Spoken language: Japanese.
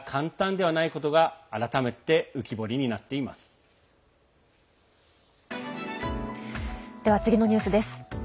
では次のニュースです。